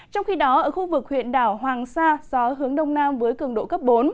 trong khi đó ở khu vực huyện đảo hoàng sa gió hướng đông nam với cường độ cấp bốn